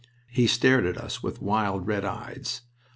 He stared at us with wild, red eyes.